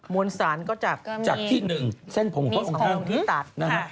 มวลสารก็จะมีมีสองที่ตัดจากที่หนึ่งเส้นผงพระองค์ท่าน